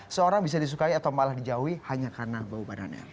seorang bisa disukai atau malah dijauhi hanya karena bau badannya